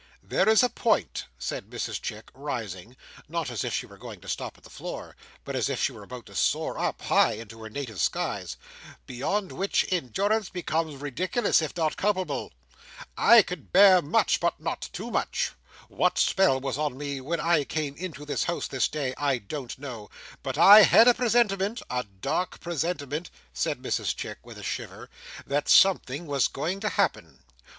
"There is a point," said Mrs Chick, rising, not as if she were going to stop at the floor, but as if she were about to soar up, high, into her native skies, "beyond which endurance becomes ridiculous, if not culpable. I can bear much; but not too much. What spell was on me when I came into this house this day, I don't know; but I had a presentiment—a dark presentiment," said Mrs Chick, with a shiver, "that something was going to happen.